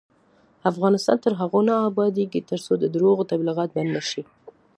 افغانستان تر هغو نه ابادیږي، ترڅو د درواغو تبلیغات بند نشي.